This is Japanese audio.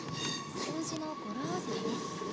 数字の語呂合わせだね。